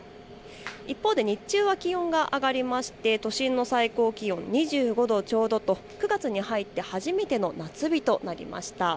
一方で日中は気温が上がりまして、都心の最高気温、２５度ちょうどと９月に入って初めての夏日となりました。